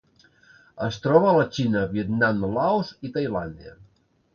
Es troba a la Xina, Vietnam, Laos i Tailàndia.